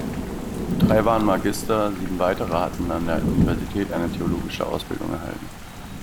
Drei waren Magister, sieben weitere hatten an der Universität eine theologische Ausbildung erhalten.